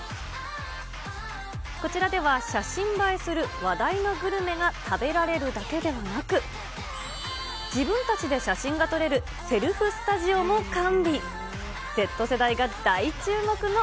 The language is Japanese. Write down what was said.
こちらでは、写真映えする話題のグルメが食べられるだけではなく、自分たちで写真が撮れる、セルフスタジオも完備。